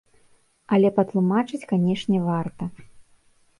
Але патлумачыць, канечне, варта.